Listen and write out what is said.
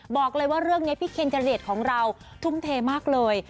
บอกเลยว่าเรื่องนี้พี่เคนเจรียดของเราทุ่มเทมากเลย